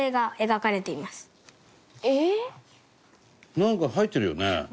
なんか吐いてるよね。